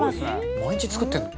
「毎日作ってるの？」